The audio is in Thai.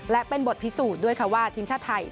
และเป็นบทพิสูจน์ด้วยค่ะว่าทีมชาติไทย